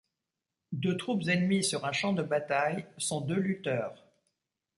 Deux troupes ennemies sur un champ de bataille sont deux lutteurs.